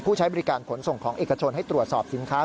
ใช้บริการขนส่งของเอกชนให้ตรวจสอบสินค้า